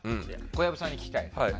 小籔さんに聞きたい。